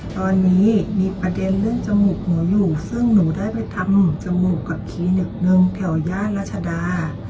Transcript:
ตอนนี้มีประเด็นเรื่องจมูกหนูอยู่ซึ่งหนูได้ไปทำจมูกกับคลินิกนึงแถวย่านรัชดา